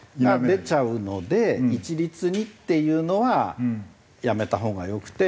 出ちゃうので一律にっていうのはやめたほうがよくて。